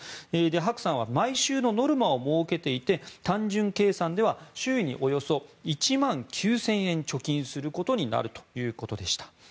ハクさんは毎週のノルマを設けていて単純計算では週におよそ１万９０００円貯金することになるということでした。